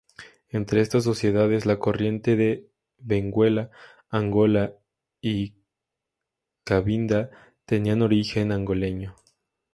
Entre estas sociedades, la corriente de Benguela, Angola y Cabinda tenían origen angoleño.